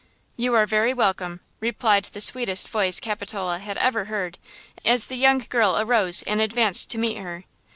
"You are very welcome," replied the sweetest voice Capitola had ever heard, as the young girl arose and advanced to meet her.